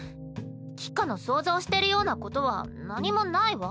橘花の想像してるようなことは何もないわ。